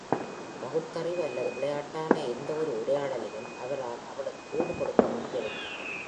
பகுத்தறிவு அல்லது விளையாட்டான எந்த ஒரு உரையாடலிலும் அவரால் அவளுக்கு ஈடு கொடுக்கமுடியவில்லை.